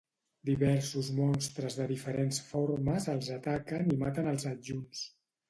Diversos monstres de diferents formes els ataquen i maten els adjunts.